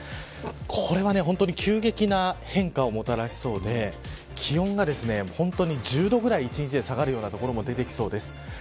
これは本当に急激な変化をもたらしそうで気温が本当に１０度ぐらい１日で下がる所も出てきそうです。